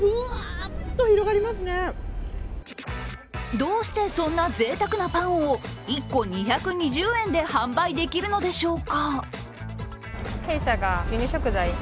どうして、そんなぜいたくなパンを１個２２０円で販売できるのでしょうか。